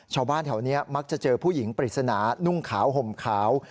ชาวบ้านแถวนี้มักจะเจอผู้หญิงปริศนานุ่งขาวห่มขาว